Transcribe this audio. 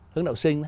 hướng đạo sinh